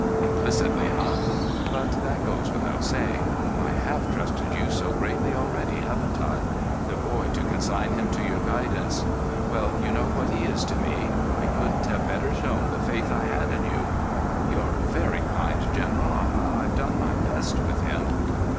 "Implicitly, eh? But that goes without saying. I have trusted you so greatly already, haven't I? The boy to consign him to your guidance. Well, you know what he is to me. I couldn't have better shown the faith I had in you——" "You're very kind, General. I—I've done my best with him."